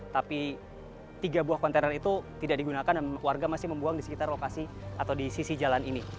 tapi tiga buah kontainer itu tidak digunakan dan warga masih membuang di sekitar lokasi atau di sisi jalan ini